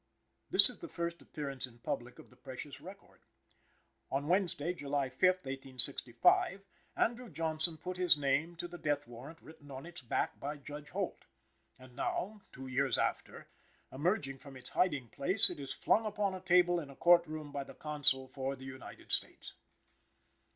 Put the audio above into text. This is the first appearance in public of the precious record. On Wednesday, July 5th, 1865, Andrew Johnson put his name to the death warrant written on its back by Judge Holt. And, now, two years after, emerging from its hiding place, it is flung upon a table in a court room by the counsel for the United States.